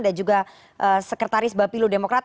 dan juga sekretaris bapilo demokrat